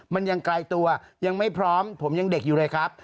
มันยังไกลตัวยังไม่พร้อมผมยังเด็กอยู่เลยครับ